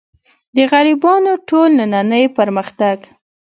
د غربیانو ټول نننۍ پرمختګ.